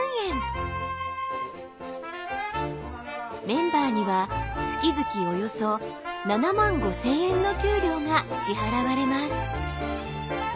メンバーには月々およそ７万５，０００円の給料が支払われます。